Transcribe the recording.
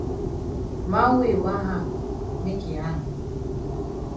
Man wey yi wan hang make yi hang.